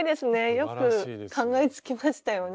よく考えつきましたよね。